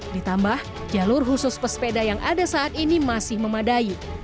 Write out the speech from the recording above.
ditambah jalur khusus pesepeda yang ada saat ini masih memadai